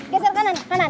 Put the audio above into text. geser kanan kanan